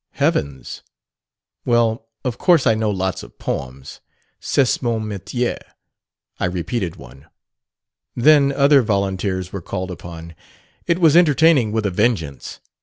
Heavens! Well, of course I know lots of poems c'est mon metier. I repeated one. Then other volunteers were called upon it was entertaining with a vengeance!